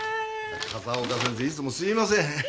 風丘先生いつもすいません。